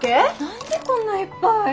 何でこんないっぱい。